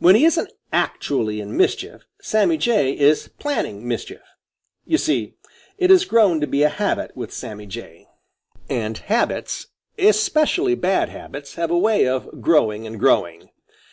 When he isn't actually in mischief, Sammy Jay is planning mischief. You see it has grown to be a habit with Sammy Jay, and habits, especially bad habits, have a way of growing and growing.